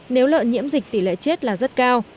nếu lợn nhiễm dịch tỷ lệ chết là rất cao